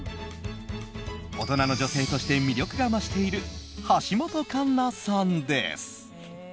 大人の女性として魅力が増している、橋本環奈さんです。